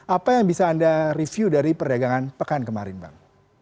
apa yang bisa anda review dari perdagangan pekan kemarin bang